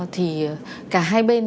thì cả hai bên